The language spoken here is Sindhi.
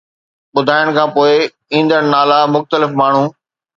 ٻڌائڻ کان پوءِ، ايندڙ نالا مختلف ماڻهو